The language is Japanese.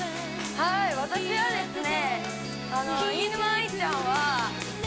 はい私はですね